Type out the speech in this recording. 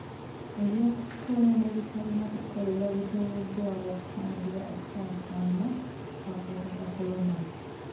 Eby'okukola n'ebitalina kukolebwa biteereddwawo okutangira okusaasaana kw'akawuka ka kolona.